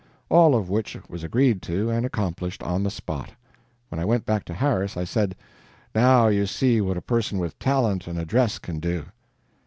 All of which was agreed to and accomplished, on the spot. When I went back to Harris, I said: "Now you see what a person with talent and address can do."